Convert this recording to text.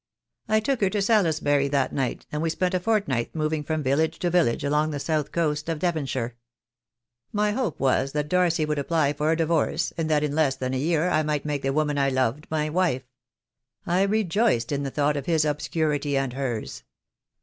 I took her to Salisbury that night, and we spent a fortnight moving from village to village along the south coast of Devonshire. My hope was that Darcy would apply for a divorce, and that in less than a year I might make the woman I loved my wife. I rejoiced in the thought of his obscurity and hers.